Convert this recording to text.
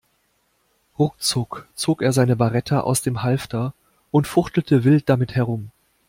Ruckzuck zog er seine Beretta aus dem Halfter und fuchtelte wild damit herum.